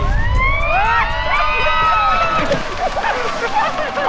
หมดเวลา